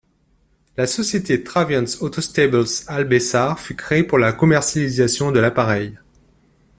La société Triavions Autostables Albessard fut créée pour la commercialisation de l'appareil.